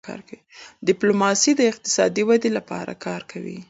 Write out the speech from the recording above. ډيپلوماسي د اقتصادي ودې لپاره کار کوي.